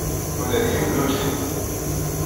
Ula d yiwen ur k-iḥemmel.